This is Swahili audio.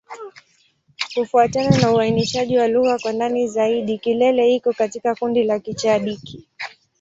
Kufuatana na uainishaji wa lugha kwa ndani zaidi, Kilele iko katika kundi la Kichadiki.